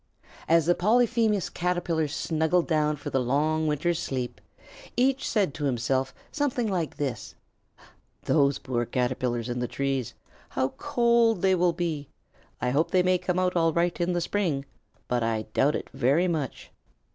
As the Polyphemus Caterpillars snuggled down for the long winter's sleep, each said to himself something like this: "Those poor Caterpillars in the trees! How cold they will be! I hope they may come out all right in the spring, but I doubt it very much."